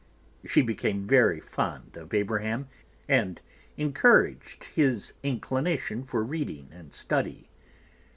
She became very fond of Abraham and encouraged his inclination for reading and study.